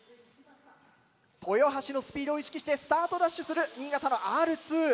豊橋のスピードを意識してスタートダッシュする新潟のＲ２。